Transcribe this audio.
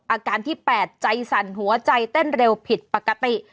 อาการที่๘ใจสั่นหัวใจเต้นเร็วผิดปกติ